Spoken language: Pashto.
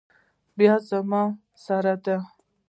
بیه زما سره ده